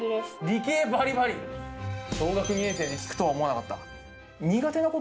理系ばりばり、小学２年生で聞くとは思わなかった。